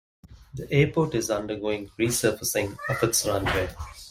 The airport is undergoing resurfacing of its runway.